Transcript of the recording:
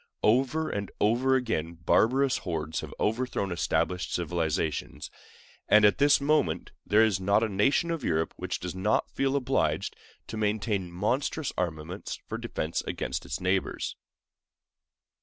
Over and over again barbarous hordes have overthrown established civilizations; and at this moment there is not a nation of Europe which does not feel obliged to maintain monstrous armaments for defense against its neighbors.